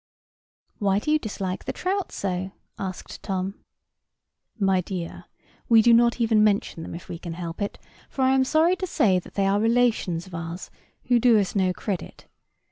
"Why do you dislike the trout so?" asked Tom. "My dear, we do not even mention them, if we can help it; for I am sorry to say they are relations of ours who do us no credit.